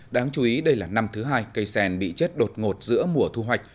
đáng chú ý đây là năm thứ hai cây sen bị chết đột ngột giữa mùa thu hoạch